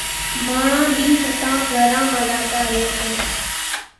ماڻۿان ۮِي ستان گھران مان زاتان ريتان۔